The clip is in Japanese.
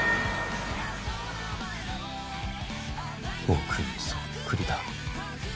僕にそっくりだ。